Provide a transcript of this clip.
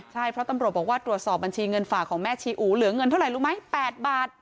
ใช่เพราะตำรวจบอกว่าตรวจสอบบัญชีเงินฝากของแม่ชีอู๋เหลือเงินเท่าไหร่รู้ไหม๘บาท